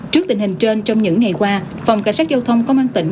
trước tình hình trên trong những ngày qua phòng cảnh sát giao thông công an tỉnh